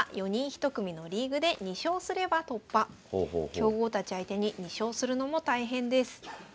強豪たち相手に２勝するのも大変です。